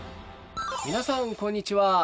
皆さんこんにちは。